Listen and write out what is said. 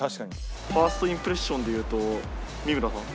ファーストインプレッションで言うと三村さん。